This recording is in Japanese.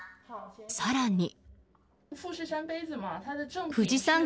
更に。